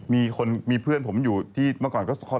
มีคนมีเพื่อนผมอยู่ที่เมื่อก่อนก็